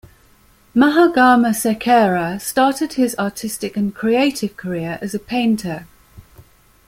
Mahagama Sekera started his artistic and creative career as a painter.